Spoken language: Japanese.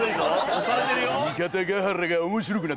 押されてるよ。